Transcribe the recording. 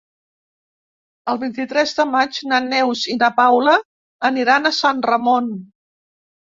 El vint-i-tres de maig na Neus i na Paula aniran a Sant Ramon.